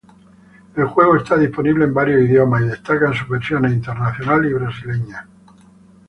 El juego está disponible en varios idiomas y destacan su versiones internacional y brasileña.